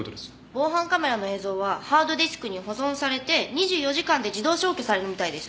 防犯カメラの映像はハードディスクに保存されて２４時間で自動消去されるみたいです。